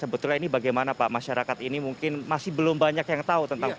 sebetulnya ini bagaimana pak masyarakat ini mungkin masih belum banyak yang tahu tentang